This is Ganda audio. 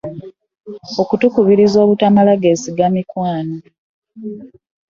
Okutukubiriza obutamala geesiga mikwano.